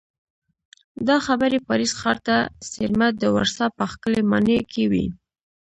دا خبرې پاریس ښار ته څېرمه د ورسا په ښکلې ماڼۍ کې وې